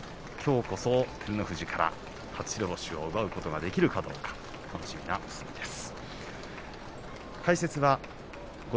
きょうこそ照ノ富士から初白星を奪うことができるかどうか楽しみな相撲です。